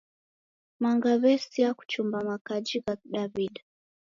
Manga w'esinga kuchumba makaji gha Kidaw'ida.